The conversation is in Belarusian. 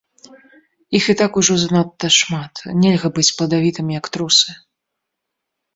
Іх і так ужо занадта шмат, нельга быць пладавітым, як трусы.